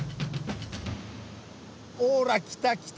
ほら来た来た！